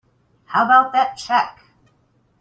How about that check?